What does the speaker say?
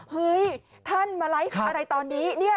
เฮ้ยท่านมาไลฟ์อะไรตอนนี้